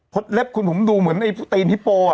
พจอัลตรีนมดูเหมือนตีนฮิโป่อะ